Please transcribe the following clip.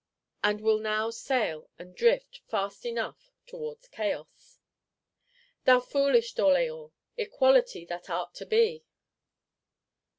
And will now sail and drift, fast enough, towards Chaos? Thou foolish D'Orléans; Equality that art to be!